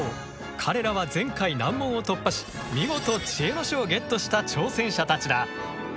彼らは前回難問を突破し見事知恵の書をゲットした挑戦者たちだ。